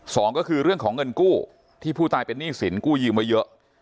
สองก็คือเรื่องของเงินกู้ที่ผู้ตายเป็นหนี้สินกู้ยืมไว้เยอะ